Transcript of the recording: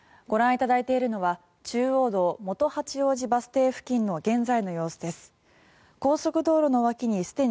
ご覧いただいているのは中央道元八王子バス停付近の現在の様子です。